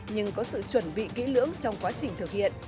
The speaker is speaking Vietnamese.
nhưng có sự chuẩn bị kỹ lưỡng trong quá trình thực hiện